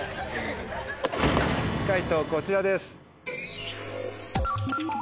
解答こちらです。